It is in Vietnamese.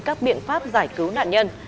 các biện pháp giải cứu nạn nhân